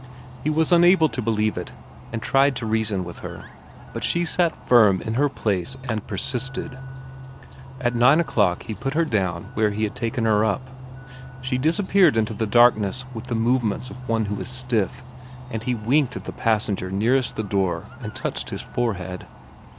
He was unable to believe it, and tried to reason with her, but she sat firm in her place and persisted. At nine o'clock he put her down where he had taken her up. She disappeared into the darkness with the movements of one who is stiff, and he winked at the passenger nearest the door and touched his forehead.